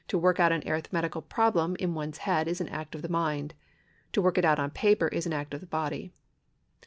324 LIABILITY [§ 128 work out an arithmetical problem in one's head is an act of the mind ; to work it out on paper is an act of the body.